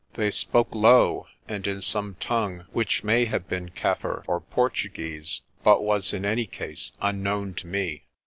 They spoke low, and in some tongue which may have been Kaffir or Portuguese, but was in any case unknown to me.